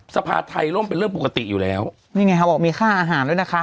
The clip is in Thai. สภาไทยร่มเป็นเรื่องปกติอยู่แล้วนี่ไงเขาบอกมีค่าอาหารด้วยนะคะ